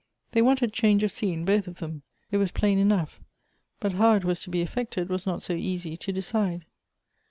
They wanted change of scene, both of them, it was plain enough ; but how it was to be effected was not so easy to decide.